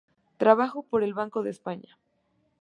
Trabajó para el Banco de España.